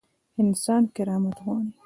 انسان کرامت غواړي